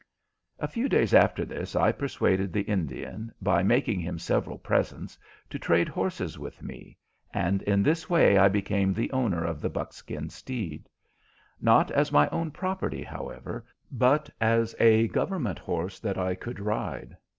A few days after this I persuaded the Indian, by making him several presents, to trade horses with me, and in this way I became the owner of the buckskin steed; not as my own property, however, but as a government horse that I could ride.